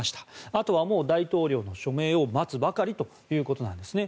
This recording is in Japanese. あとはもう大統領の署名を待つばかりということなんですね。